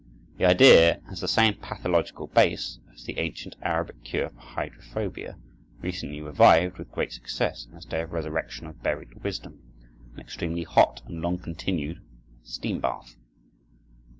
The idea has the same pathological base as the ancient Arabic cure for hydrophobia, recently revived with great success in this day of resurrection of buried wisdom—an extremely hot and long continued steam bath.